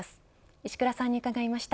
石倉さんに伺いました。